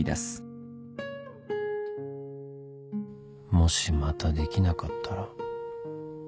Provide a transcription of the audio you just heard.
もしまたできなかったら